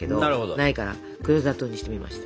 ないから黒砂糖にしてみました。